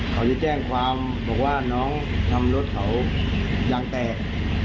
เขาจะแจ้งความบอกว่าน้องทำรถเขายางแตก